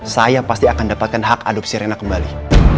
saya pasti akan dapatkan hak adopsi rena kembali